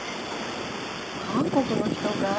韓国の人かい？